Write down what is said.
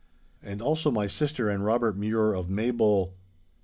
And also my sister and Robert Mure of Maybole.